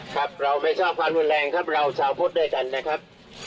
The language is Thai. ครับเราไม่ชอบความรุนแรงครับเราชาวพุทธด้วยกันนะครับ